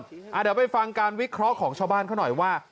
เดี๋ยวไปฟังการวิเคราะห์ของชาวบ้านเขาหน่อยว่า